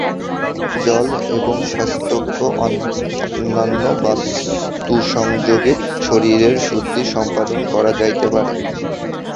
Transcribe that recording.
জল এবং শাস্ত্রোক্ত অন্যান্য বস্তুসংযোগে শরীরের শুদ্ধি সম্পাদন করা যাইতে পারে।